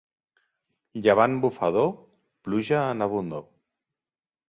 Llevant bufador, pluja en abundor.